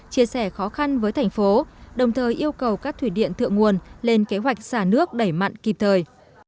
chia sẻ khó khăn với thành phố đồng thời yêu cầu các thủy điện thượng nguồn lên kế hoạch xả nước đẩy mặn kịp thời